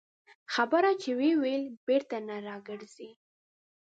خبره چې ووېلې، بېرته نه راګرځي